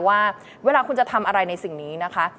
ว่าเวลาคุณจะทำอะไรในสิ่งนี้นะคะ